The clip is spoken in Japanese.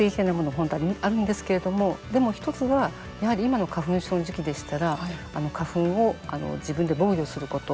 本当はあるんですけれどもでも、１つは、やはり今の花粉症の時期でしたら花粉を自分で防御すること。